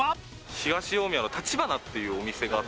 東大宮のたちばなっていうお店があって。